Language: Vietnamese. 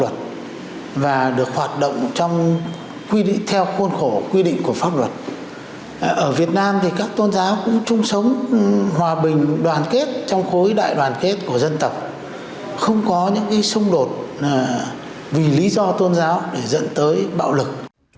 theo khuôn khổ quy định của pháp luật ở việt nam các tôn giáo cũng trung sống hòa bình đoàn kết trong khối đại đoàn kết của dân tộc không có những xung đột vì lý do tôn giáo để dẫn tới bạo lực